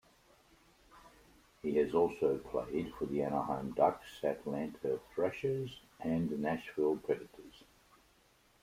He has also played for the Anaheim Ducks, Atlanta Thrashers and Nashville Predators.